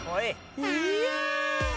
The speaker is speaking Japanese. いや！